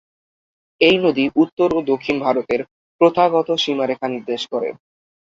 এই নদী উত্তর ও দক্ষিণ ভারতের প্রথাগত সীমারেখা নির্দেশ করে।